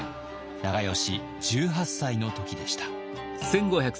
長慶１８歳の時でした。